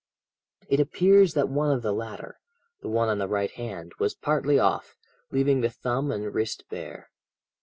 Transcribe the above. "It appears that one of the latter, the one on the right hand, was partly off, leaving the thumb and wrist bare.